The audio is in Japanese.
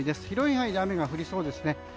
広い範囲で雨が降りそうですね。